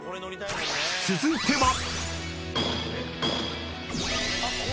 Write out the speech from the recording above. ［続いては］